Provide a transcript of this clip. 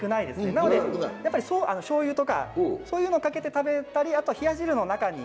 なのでしょうゆとかそういうのをかけて食べたりあとは冷や汁の中に。